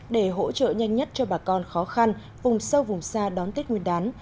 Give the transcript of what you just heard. để hỗ trợ nhanh nhất cho bà con khó khăn vùng sâu vùng xa đón tết nguyên đán